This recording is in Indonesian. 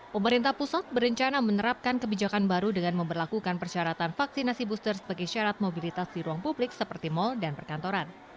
pemerintah pusat berencana menerapkan kebijakan baru dengan memperlakukan persyaratan vaksinasi booster sebagai syarat mobilitas di ruang publik seperti mal dan perkantoran